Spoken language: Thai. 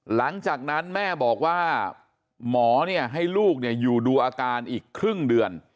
หลังจากนั้นแม่บอกว่าหมอให้ลูกอยู่ดูอาการอีกครึ่งเดือน